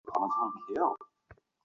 তুমি তাকে কি বললে?